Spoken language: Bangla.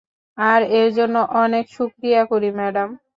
আর এর জন্য অনেক শুকরিয়া করি, ম্যাডাম।